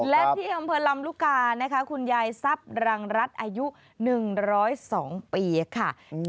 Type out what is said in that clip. และที่อำเภอลำลูกกานะคะคุณยายทรัพย์รังรัฐอายุ๑๐๒ปีค่ะ